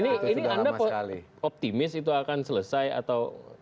ini anda optimis itu akan selesai atau